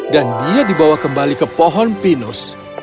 dan dia dibawa kembali ke pohon pinus